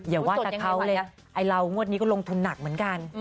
อย่าว่าแต่เขาเลยไอ้เรางวดนี้ก็ลงทุนหนักเหมือนกัน